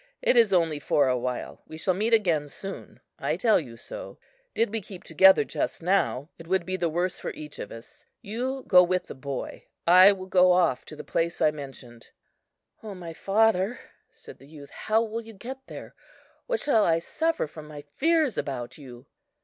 It is only for a while. We shall meet again soon; I tell you so. Did we keep together just now, it would be the worse for each of us. You go with the boy; I will go off to the place I mentioned." "O my father," said the youth, "how will you get there? What shall I suffer from my fears about you?"